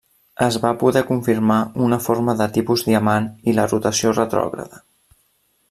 Es va poder confirmar una forma de tipus diamant i la rotació retrògrada.